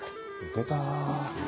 出た。